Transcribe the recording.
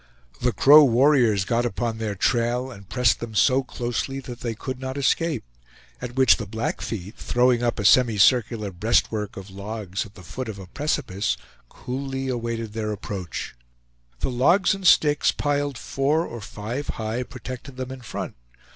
The Crow warriors got upon their trail and pressed them so closely that they could not escape, at which the Blackfeet, throwing up a semicircular breastwork of logs at the foot of a precipice, coolly awaited their approach. The logs and sticks, piled four or five high, protected them in front.